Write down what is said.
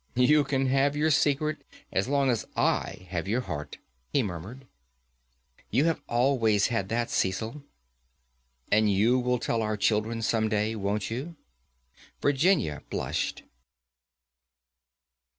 "You can have your secret as long as I have your heart," he murmured. "You have always had that, Cecil." "And you will tell our children some day, won't you?" Virginia blushed.